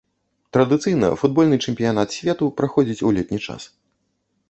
Традыцыйна футбольны чэмпіянат свету праходзіць у летні час.